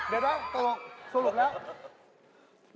เดี๋ยวนะสรุปแล้ว